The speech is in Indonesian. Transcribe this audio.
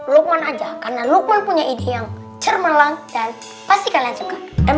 lukman aja karena lukman punya ide yang cermalan dan pasti kalian suka